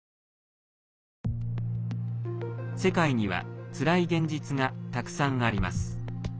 世界には、つらい現実がたくさんあります。